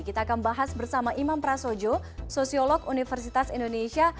kita akan bahas bersama imam prasojo sosiolog universitas indonesia